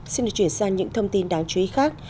xin được chuyển sang những thông tin đáng chú ý khác